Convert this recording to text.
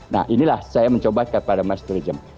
nah inilah saya mencoba kepada mass tourism